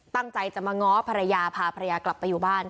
ตั้งใจจะมาง้อภรรยาพาภรรยากลับไปอยู่บ้าน